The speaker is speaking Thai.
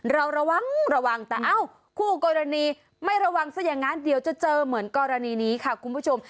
ระวังระวังแต่เอ้าคู่กรณีไม่ระวังซะอย่างนั้นเดี๋ยวจะเจอเหมือนกรณีนี้ค่ะคุณผู้ชม